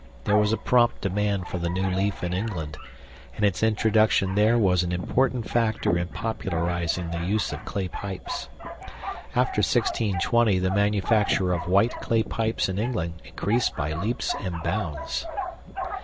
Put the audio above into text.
There was a prompt demand for the new leaf in England, and its introduction there was an important factor in popularizing the use of clay pipes. After 1620 the manufacture of white clay pipes in England increased by leaps and bounds.